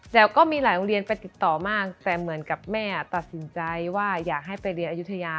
แต่ก็มีหลายโรงเรียนไปติดต่อมากแต่เหมือนกับแม่ตัดสินใจว่าอยากให้ไปเรียนอายุทยา